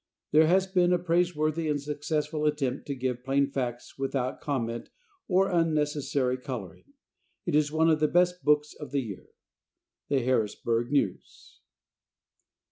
There has been a praiseworthy and successful attempt to give plain facts without comment or unnecessary coloring. It is one of the best books of the year. The Harrisburg News.